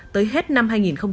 tới hết năm hai nghìn một mươi bảy